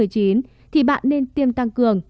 thì bạn nên tiêm tăng cường